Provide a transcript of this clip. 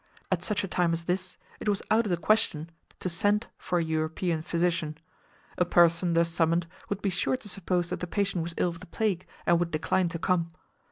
At such a time as this it was out of the question to send for an European physician; a person thus summoned would be sure to suppose that the patient was ill of the plague, and would decline to come.